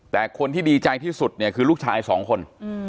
แต่คนที่ดีใจที่สุดเนี่ยคือลูกชายสองคน